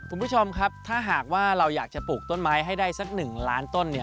คุณผู้ชมครับถ้าหากว่าเราอยากจะปลูกต้นไม้ให้ได้สัก๑ล้านต้นเนี่ย